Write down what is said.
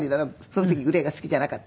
その時グレーが好きじゃなかった。